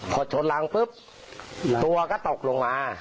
พอชนรังปุ๊บตัวก็ตกลงมา